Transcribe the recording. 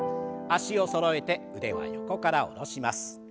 脚をそろえて腕は横から下ろします。